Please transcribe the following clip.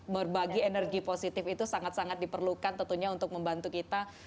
berbagi energi positif itu sangat sangat diperlukan tentunya untuk membantu kita